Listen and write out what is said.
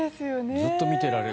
ずっと見てられる。